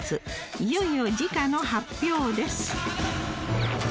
いよいよ時価の発表です